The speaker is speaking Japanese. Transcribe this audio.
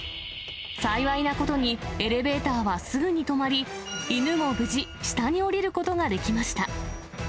幸いなことにエレベーターはすぐに止まり、犬も無事、下に下りることができました。